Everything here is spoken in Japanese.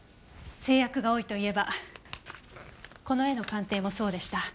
制約が多いといえばこの絵の鑑定もそうでした。